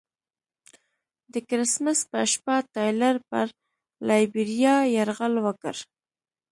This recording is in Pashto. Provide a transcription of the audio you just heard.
د کرسمس په شپه ټایلر پر لایبیریا یرغل وکړ.